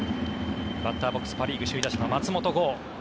バッターボックスはパ・リーグ首位打者の松本剛。